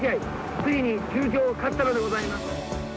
ついに中京勝ったのでございます。